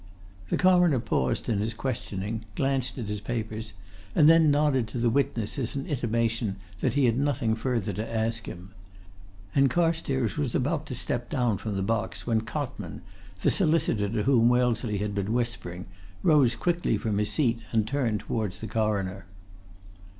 The Coroner paused in his questioning, glanced at his papers, and then nodded to the witness as an intimation that he had nothing further to ask him. And Carstairs was about to step down from the box, when Cotman, the solicitor to whom Wellesley had been whispering, rose quickly from his seat and turned towards the Coroner.